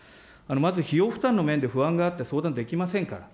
まず費用負担の面で不安があっては相談できませんから。